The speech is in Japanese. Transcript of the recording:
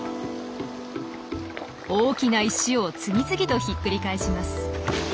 大きな石を次々とひっくり返します。